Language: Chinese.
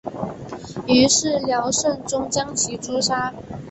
于是辽圣宗将其诛杀。